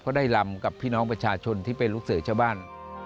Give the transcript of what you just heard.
เขาได้ลำกับพี่น้องประชาชนที่เป็นลูกเสือชาวบ้าน